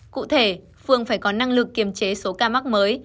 cụ thể phương phải có năng lực kiềm chế số ca mắc mới